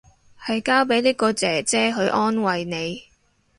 係交俾呢個姐姐去安慰你